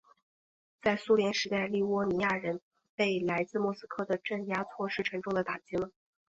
在苏联时代立窝尼亚人被来自莫斯科的镇压措施沉重地打击了。